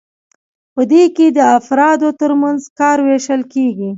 په دې کې د افرادو ترمنځ کار ویشل کیږي.